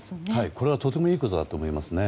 これはとてもいいことだと思います。